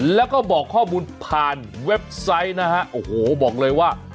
แล้วก็บอกข้อมูลผ่านเว็บไซต์นะฮะโอ้โหบอกเลยว่า